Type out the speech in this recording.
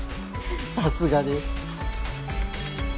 さすがです。